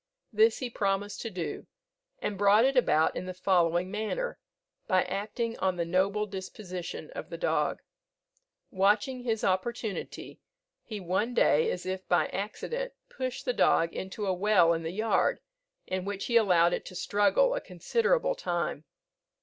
This he promised to do, and brought it about in the following manner, by acting on the noble disposition of the dog. Watching his opportunity, he one day, as if by accident, pushed the dog into a well in the yard, in which he allowed it to struggle a considerable time.